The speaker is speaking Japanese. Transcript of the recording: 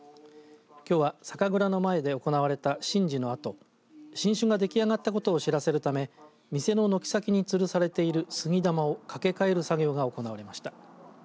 きょうは酒蔵の前で行われた神事のあと新酒が出来上がったことを知らせるため店の軒先につるされている杉玉を掛け替える作業が行われました。